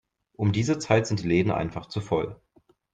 Um diese Zeit sind die Läden einfach zu voll.